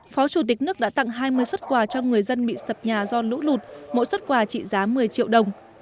phó chủ tịch nước đã tặng hai mươi xuất quà cho người dân bị sập nhà do lũ lụt mỗi xuất quà trị giá một mươi triệu đồng